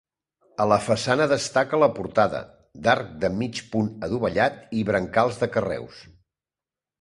A la façana destaca la portada, d'arc de mig punt adovellat i brancals de carreus.